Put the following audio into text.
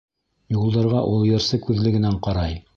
Юлдарға ул йырсы күҙлегенән ҡарай.